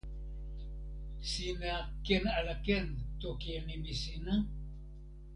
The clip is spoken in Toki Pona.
sina ken ala ken toki e nimi sina?